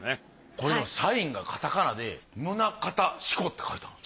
これでもサインがカタカナで「ムナカタシコ」って書いてある。